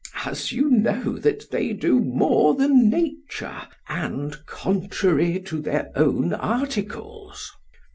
As you know that they do more than nature, and contrary to their own articles.